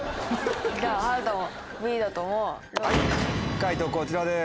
解答こちらです。